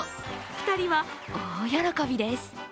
２人は大喜びです。